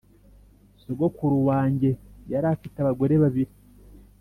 sogokuru wange yari afite abagore babiri